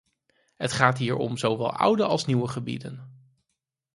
Het gaat hier om zowel oude als nieuwe gebieden.